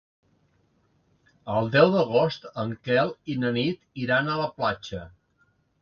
El deu d'agost en Quel i na Nit iran a la platja.